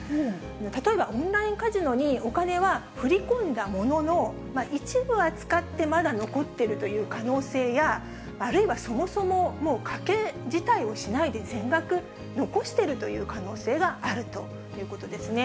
例えばオンラインカジノにお金は振り込んだものの、一部は使って、まだ残っているという可能性や、あるいはそもそも、もう賭け自体をしないで、全額残しているという可能性があるということですね。